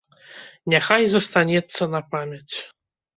Няхай застанецца на памяць!